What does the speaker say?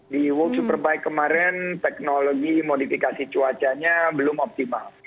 di world superbike kemarin teknologi modifikasi cuacanya belum optimal